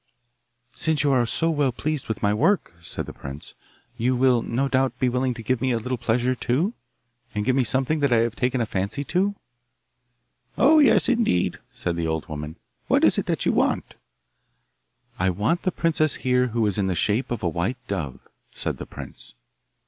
'Since you are so well pleased with my work, said the prince, 'you will, no doubt, be willing to give me a little pleasure too, and give me something that I have taken a fancy to.' 'Oh yes, indeed,' said the old woman; 'what is it that you want?' 'I want the princess here who is in the shape of a white dove,' said the prince.